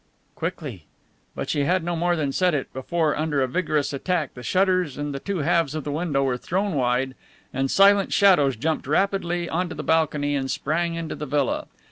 (Quickly). But she had no more than said it before, under a vigorous attack, the shutters and the two halves of the window were thrown wide, and silent shadows jumped rapidly onto the balcony and sprang into the villa.